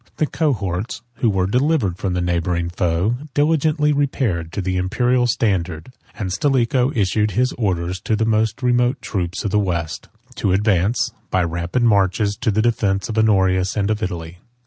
The cohorts, who were delivered from the neighboring foe, diligently repaired to the Imperial standard; and Stilicho issued his orders to the most remote troops of the West, to advance, by rapid marches, to the defence of Honorius and of Italy.